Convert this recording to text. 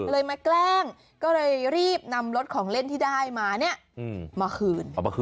เลยมาแกล้งก็เลยรีบนำรถของเล่นที่ได้มาเนี่ยมาคืน